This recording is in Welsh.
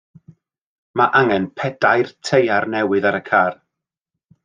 Mae angen pedair teiar newydd ar y car.